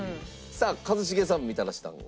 さあ一茂さんもみたらし団子。